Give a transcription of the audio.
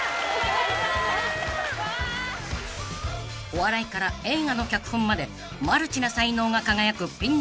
［お笑いから映画の脚本までマルチな才能が輝くピン